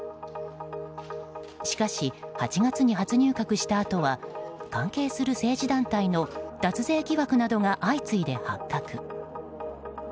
しかし８月に初入閣したあとは関係する政治団体の脱税疑惑などが相次いで発覚。